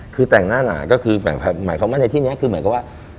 คือแต่งหน้าหนาก็คือหมายความว่าในที่นี้คือเหมือนกับว่า